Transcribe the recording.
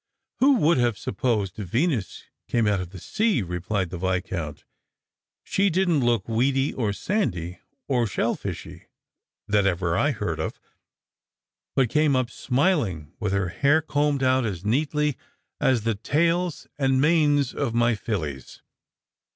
" Who would have supposed Venus came out of the sea !" r<'plied the Viscount. " She didn't look weedy, or sandy, or shell fishy, that ever I heard of; but came up smiling, with her hair combed out as neatly as the tails and manes of my fillies.